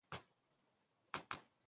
تاریخ د تېرو سپږېرنی دی.